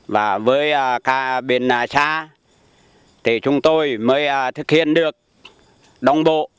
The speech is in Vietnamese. và với cả bên xa thì chúng tôi mới thực hiện được đồng bộ